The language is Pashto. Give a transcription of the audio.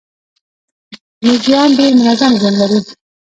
میږیان ډیر منظم ژوند لري